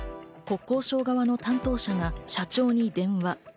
国交省側の担当者が社長に電話。